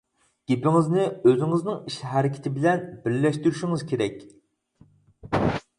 گېپىڭىزنى ئۆزىڭىزنىڭ ئىش-ھەرىكىتى بىلەن بىرلەشتۈرۈشىڭىز كېرەك.